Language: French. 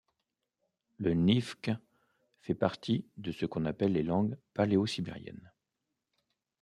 Le nivkhe fait partie de ce qu'on appelle les langues paléo-sibériennes.